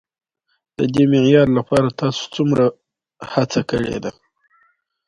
خو داسې خبرې به وکي چې د مذهبي کړيو قهر وپاروي.